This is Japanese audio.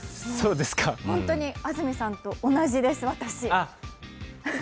ホントに安住さんと同じです、私。